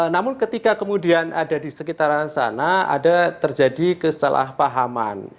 namun ketika kemudian ada di sekitaran sana ada terjadi kesalahpahaman